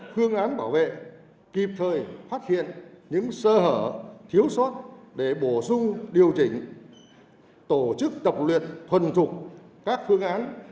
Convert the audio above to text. phương án bảo vệ kịp thời phát hiện những sơ hở thiếu sót để bổ sung điều chỉnh tổ chức tập luyện thuần thục các phương án